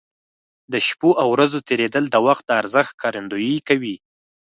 د شپو او ورځو تېرېدل د وخت د ارزښت ښکارندوي کوي.